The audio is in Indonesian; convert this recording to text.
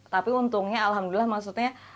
tapi untungnya alhamdulillah maksudnya